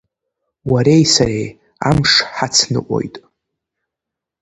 Уареи сареи амш ҳацныҟәоит…